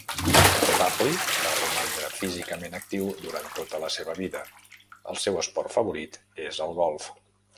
Stapley va romandre físicament actiu durant tota la seva vida, el seu esport favorit és el golf.